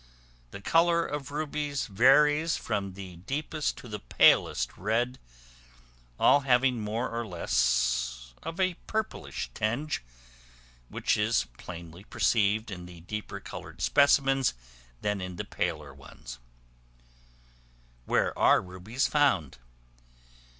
The color of rubies varies from the deepest to the palest red, all having more or less of a purplish tinge, which is more plainly perceived in the deeper colored specimens than in the paler ones. Where are Rubies found?